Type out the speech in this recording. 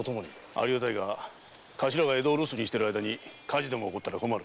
ありがたいが頭が江戸を留守にしてる間に火事があったら困る。